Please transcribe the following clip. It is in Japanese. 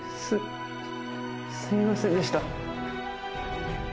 すすみませんでした。